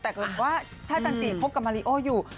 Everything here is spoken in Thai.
แต่ว่าถ้าจันทรีย์คบกับมาริโออยู่